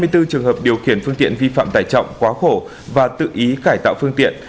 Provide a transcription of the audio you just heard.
hai mươi bốn trường hợp điều khiển phương tiện vi phạm tải trọng quá khổ và tự ý cải tạo phương tiện